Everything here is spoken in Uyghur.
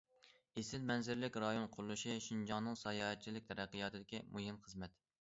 ئېسىل مەنزىرىلىك رايون قۇرۇلۇشى شىنجاڭنىڭ ساياھەتچىلىك تەرەققىياتىدىكى مۇھىم خىزمەت.